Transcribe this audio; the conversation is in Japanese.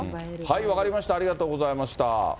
分かりました、ありがとうございました。